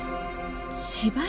芝居？